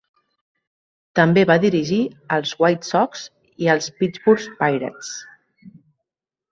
També va dirigir els White Sox i els Pittsburgh Pirates.